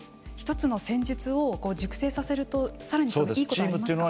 １つの戦術を熟成させるといいことがありますか。